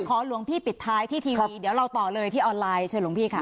หลวงพี่ปิดท้ายที่ทีวีเดี๋ยวเราต่อเลยที่ออนไลน์เชิญหลวงพี่ค่ะ